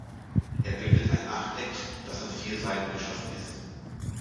Er bildet ein Achteck, das an vier Seiten geschlossen ist.